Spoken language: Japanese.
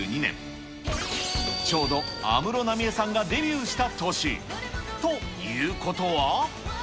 ちょうど安室奈美恵さんがデビューした年ということは？